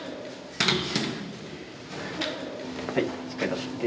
はいしっかり立って。